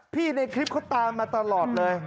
ในคลิปเขาตามมาตลอดเลย